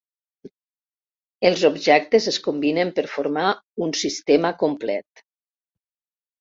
Els objectes es combinen per formar un sistema complet.